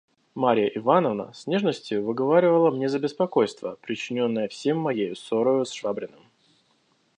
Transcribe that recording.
Марья Ивановна с нежностию выговаривала мне за беспокойство, причиненное всем моею ссорою с Швабриным.